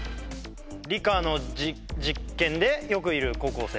理科の実験でよくいる高校生。